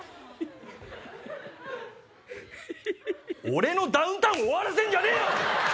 俺のダウンタウン終わらせんじゃねえよ！